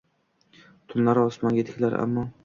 Tunlari osmonga tikilar, ammo